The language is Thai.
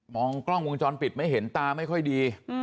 กล้องวงจรปิดไม่เห็นตาไม่ค่อยดี